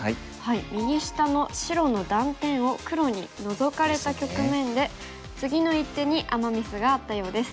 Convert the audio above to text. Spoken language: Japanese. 右下の白の断点を黒にノゾかれた局面で次の一手にアマ・ミスがあったようです。